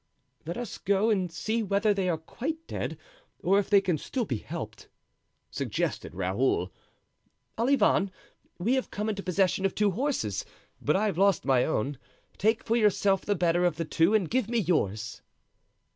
"Let us go and see whether they are quite dead, or if they can still be helped," suggested Raoul. "Olivain, we have come into possession of two horses, but I have lost my own. Take for yourself the better of the two and give me yours."